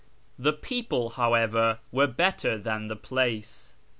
The people, however, were better than the place.